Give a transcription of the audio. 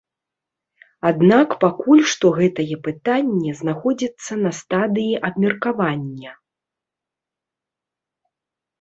Аднак пакуль што гэтае пытанне знаходзіцца на стадыі абмеркавання.